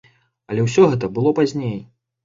Але ўсё гэта было пазней.